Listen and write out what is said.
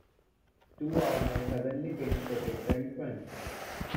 Two armoured heavenly kings protect the entrance.